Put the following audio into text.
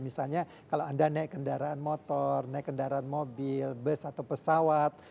misalnya kalau anda naik kendaraan motor naik kendaraan mobil bus atau pesawat